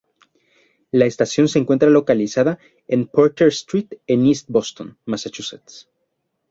La estación se encuentra localizada en Porter Street en East Boston, Massachusetts.